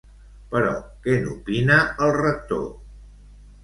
Però què n'opina el Rector?